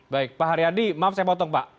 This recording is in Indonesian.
baik pak haryadi maaf saya potong pak